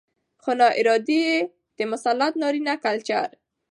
؛ خو ناارادي يې د مسلط نارينه کلچر